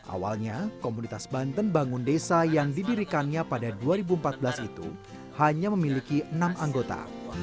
awalnya komunitas banten bangun desa yang didirikannya pada dua ribu empat belas itu hanya memiliki enam anggota